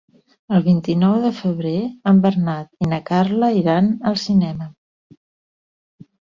El vint-i-nou de febrer en Bernat i na Carla iran al cinema.